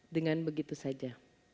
dengan begitu saja